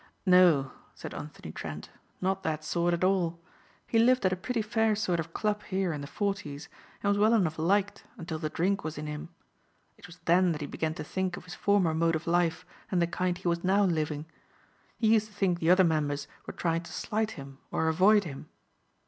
"No," said Anthony Trent. "Not that sort at all. He lived at a pretty fair sort of club here in the forties and was well enough liked until the drink was in him. It was then that he began to think of his former mode of life and the kind he was now living. He used to think the other members were trying to slight him or avoid him.